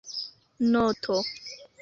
noto